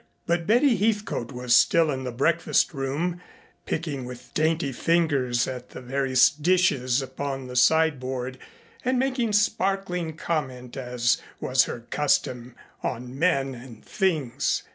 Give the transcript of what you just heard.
But Betty Heathcote was still in the breakfast room picking with dainty fingers at the various dishes upon the sideboard and making sparkling comment as was her custom on men and things.